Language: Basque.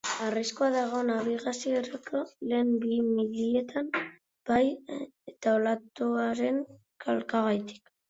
Arriskua dago nabigaziorako, lehen bi milietan, bai eta olatuaren talkagatik.